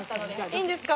いいんですか？